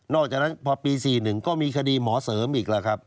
อกจากนั้นพอปี๔๑ก็มีคดีหมอเสริมอีกแล้วครับ